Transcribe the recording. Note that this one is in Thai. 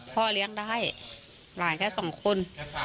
พ่อเลี้ยงได้หลานแค่สองคน